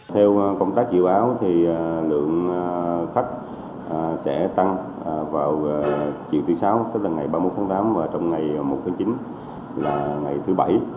theo công tác dự báo thì lượng khách sẽ tăng vào chiều thứ sáu tức là ngày ba mươi một tháng tám và trong ngày một tháng chín là ngày thứ bảy